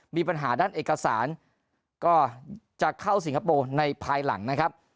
มีปัญหาด้านเอกสารก็จะเข้าสิงคโปร์ในภายหลังนะครับ